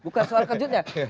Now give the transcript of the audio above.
bukan soal kejutnya